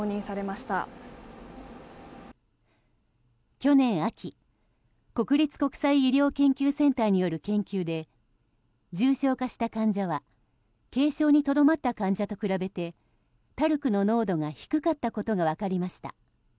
去年秋国立国際医療研究センターによる研究で重症化した患者は軽症にとどまった患者と比べてＴＡＲＣの濃度が低かったことが分かりました。